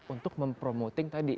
untuk mempromoting tadi